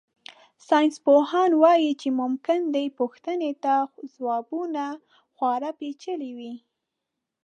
ساینسپوهان وایي چې ممکن دې پوښتنې ته ځوابونه خورا پېچلي وي.